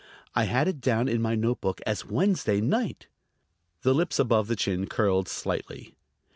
I had it down in my note book as Wednesday night." The lips above the chin curled slightly.